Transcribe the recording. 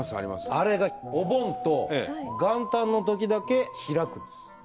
あれがお盆と元旦のときだけ開くんです。